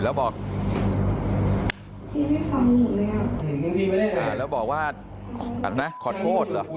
อ่ะแล้วบอกว่าอันนั้นนะขอโทษเหรอ